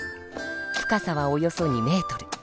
深さはおよそ２メートル。